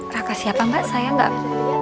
raka siapa mbak saya gak